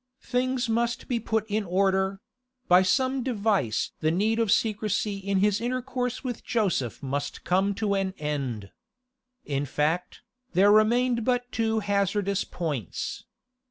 Things must be put in order; by some device the need of secrecy in his intercourse with Joseph must come to an end. In fact, there remained but two hazardous points.